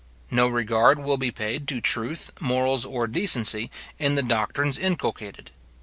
No regard will be paid to truth, morals, or decency, in the doctrines inculcated.